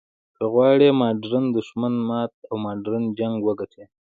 که غواړې ماډرن دښمن مات او ماډرن جنګ وګټې.